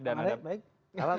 waalaikumsalam alhamdulillah baik